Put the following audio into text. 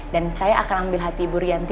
dan saya akan ambil hati ibu rianti